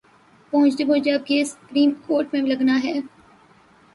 پہنچتے پہنچتے اب کیس سپریم کورٹ میں لگناہے۔